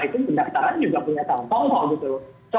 itu pendaftaran juga punya telpon kok gitu lho